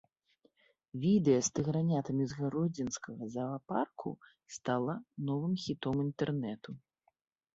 Відэа з тыгранятамі з гродзенскага заапарку стала новым хітом інтэрнэту.